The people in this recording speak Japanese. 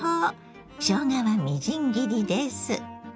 しょうがはみじん切りです。